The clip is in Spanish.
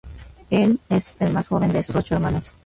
Él es el más joven de sus ocho hermanos.